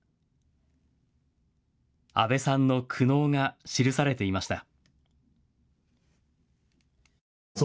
阿部さんの苦悩が記されていました。